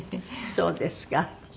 そうですか。